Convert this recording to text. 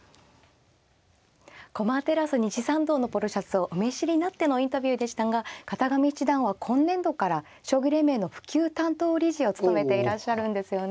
駒テラス西参道のポロシャツをお召しになってのインタビューでしたが片上七段は今年度から将棋連盟の普及担当理事を務めていらっしゃるんですよね。